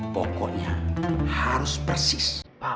pokoknya harus persis